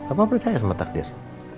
apa percaya sama takdir